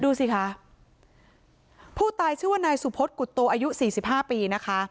ดูสิคะผู้ตายชื่อว่านายสุพศกุฏโตอายุ๔๕ปีนะคะ